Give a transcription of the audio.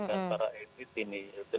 kan para edit ini